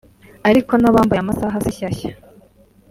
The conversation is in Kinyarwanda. Ariko n’abambaye amasaha si shyashya